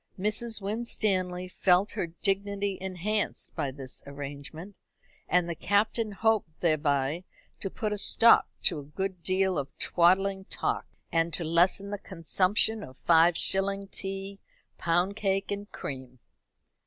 Mrs. Winstanley felt her dignity enhanced by this arrangement, and the Captain hoped thereby to put a stop to a good deal of twaddling talk, and to lessen the consumption of five shilling tea, pound cake, and cream.